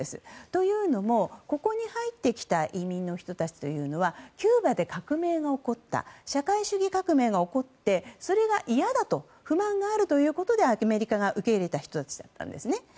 というのもここに入ってきた移民の人たちというのはキューバで革命が起こった社会主義革命が起こってそれが嫌だと不満があるということでアメリカが受け入れた人たちだったんですね。